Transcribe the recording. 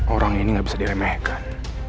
orang ini gak bisa diremehkan